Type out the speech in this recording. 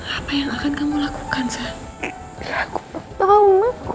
apa yang akan kamu lakukan saya tahu